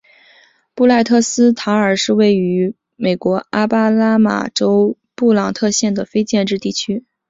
布赖特斯塔尔是一个位于美国阿拉巴马州布朗特县的非建制地区。